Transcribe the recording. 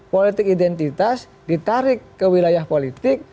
politik identitas ditarik ke wilayah politik